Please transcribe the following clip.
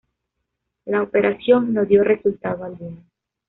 La operación no dio resultado alguno.